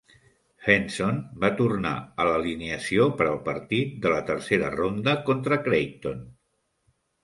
Henson va tornar a l'alineació per al partir de la tercera ronda contra Creighton.